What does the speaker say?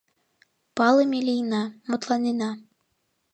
Палыме лийна, мутланена.